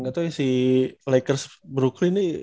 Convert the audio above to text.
gak tau ya si lakers brooklyn nih